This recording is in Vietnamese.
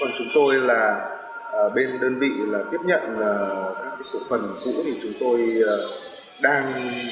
còn chúng tôi là bên đơn vị là tiếp nhận các tổ phần cũ thì chúng tôi đang